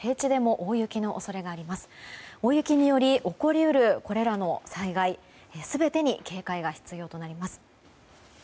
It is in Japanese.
大雪により起こりうるこれらの災害全てに警戒が必要となります。